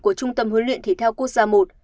của trung tâm huấn luyện thể thao quốc gia i